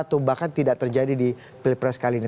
atau bahkan tidak terjadi di pilpres kali ini